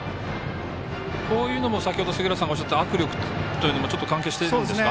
こういうのも杉浦さんがおっしゃった握力というのもちょっと関係してるんですか？